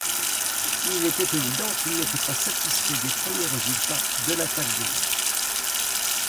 Il était évident qu'il n'était pas satisfait des premiers résultats de l'attaque de nuit.